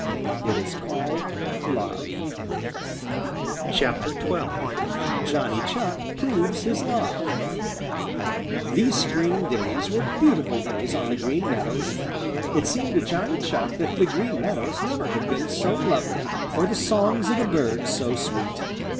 It is called love. XII. JOHNNY CHUCK PROVES HIS LOVE These spring days were beautiful days on the Green Meadows. It seemed to Johnny Chuck that the Green Meadows never had been so lovely or the songs of the birds so sweet.